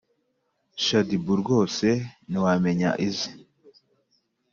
shaddyBoo rwose ntiwamenya ize